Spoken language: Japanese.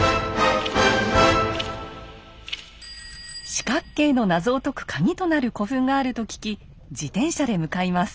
四角形の謎を解くカギとなる古墳があると聞き自転車で向かいます。